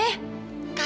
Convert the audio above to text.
aduh udah deh